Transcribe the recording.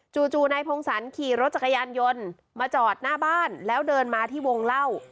จู่นายพงศรขี่รถจักรยานยนต์มาจอดหน้าบ้านแล้วเดินมาที่วงเล่า